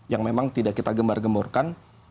yang memang tidak kita gembar gemburkan